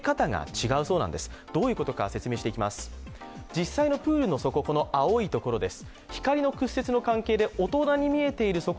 実際のプールの底は青いところです。